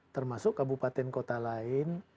termasuk kabupaten kota lain